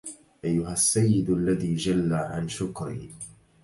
أيها السيد الذي جل عن شكري